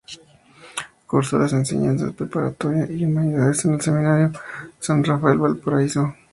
Cursó las enseñanzas preparatoria y de humanidades en el Seminario San Rafael de Valparaíso.